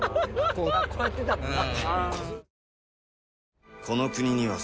こうやってたもんな。